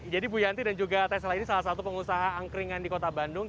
jadi bu yanti dan juga tessela ini salah satu pengusaha angkringan di kota bandung